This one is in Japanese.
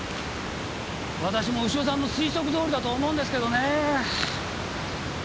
私も牛尾さんの推測どおりだと思うんですけどねぇ。